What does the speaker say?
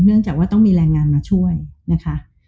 เนื่องจากว่าต้องมีแรงงานมาช่วยนะคะ